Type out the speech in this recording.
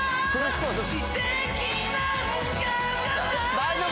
大丈夫？